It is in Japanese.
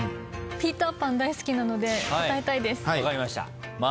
『ピーター・パン』大好きなので答えたいです。